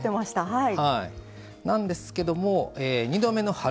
はい。